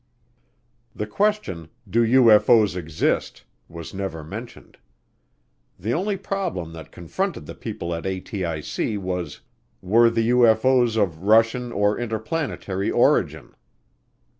The question, "Do UFO's exist?" was never mentioned. The only problem that confronted the people at ATIC was, "Were the UFO's of Russian or interplanetary origin?"